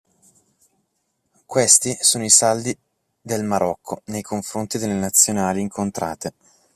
Questi sono i saldi del Marocco nei confronti delle Nazionali incontrate.